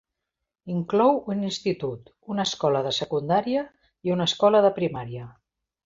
Inclou un institut, una escola de secundària i una escola de primària.